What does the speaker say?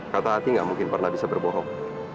kata hati gak mungkin pernah bisa berbohong